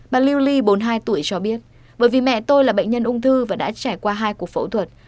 bà liu ly bốn mươi hai tuổi cho biết bởi vì mẹ tôi là bệnh nhân ung thư và đã trải qua hai cuộc phẫu thuật